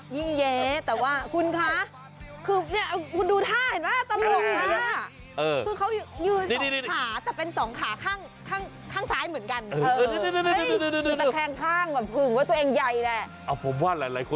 ยิ่งแย๊แต่ว่าคุณคะคุณดูท่าตลกมาก